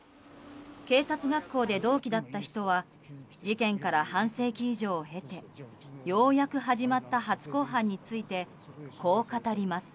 警察学校で同期だった人は事件から半世紀以上を経てようやく始まった初公判についてこう語ります。